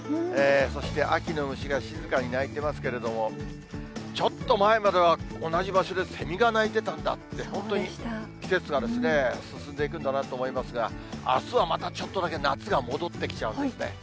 そして、秋の虫が静かに鳴いてますけれども、ちょっと前までは、同じ場所でセミが鳴いてたんだって、本当に季節が進んでいくんだなと思いますが、あすはまたちょっとだけ夏が戻ってきちゃうんですね。